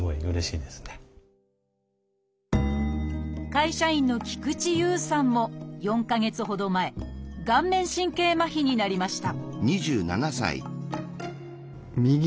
会社員の菊地悠さんも４か月ほど前顔面神経麻痺になりました